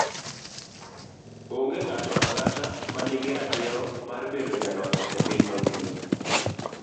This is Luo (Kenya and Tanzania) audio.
Onge ng'ato ang'ata ma nigi ratiro mar bedo jaloch e piny ngima.